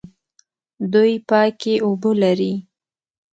دوی پاکې اوبه لري.